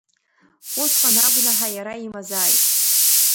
Усҟан агәнаҳа иара имазааит!